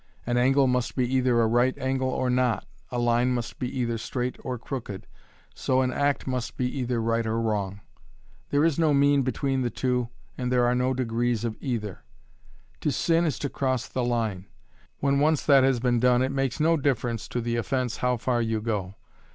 An angle must be either a right angle or not, a line must be either straight or crooked, so an act must be either right or wrong. There is no mean between the two and there are no degrees of either. To sin is to cross the line. When once that has been done it makes no difference to the offense how far you go.